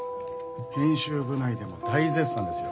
編集部内でも大絶賛ですよ。